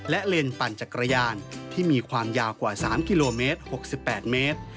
และเลนปั่นจากกระย่านที่มีความยาวกว่า๓๖๘กิโลเมตร